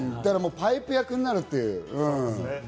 パイプ役になるというね。